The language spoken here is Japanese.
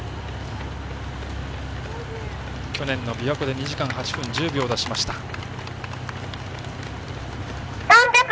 去年のびわ湖で２時間８分１０秒を出しました。